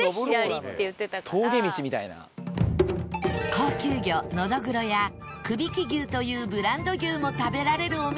高級魚のどぐろや「くびき牛」というブランド牛も食べられるお店